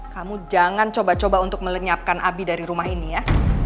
kamu jangan coba coba untuk melenyapkan api dari rumah ini ya